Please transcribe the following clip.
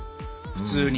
普通に。